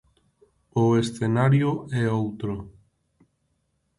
O escenario é outro.